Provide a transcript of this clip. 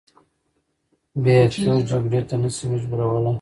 بیا یې څوک جګړې ته نه شي مجبورولای.